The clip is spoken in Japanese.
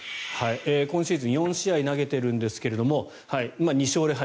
今シーズン４試合投げているんですけれども２勝０敗。